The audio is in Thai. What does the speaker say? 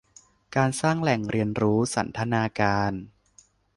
การสร้างแหล่งเรียนรู้สันทนาการ